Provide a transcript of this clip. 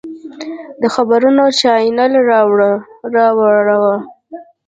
د خبرونو چاینل راواړوه!